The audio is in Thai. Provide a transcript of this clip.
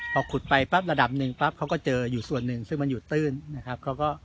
พอขุดไปปั๊บระดับหนึ่งปั๊บเขาก็เจออยู่ส่วนหนึ่งซึ่งมันอยู่ตื้นนะครับ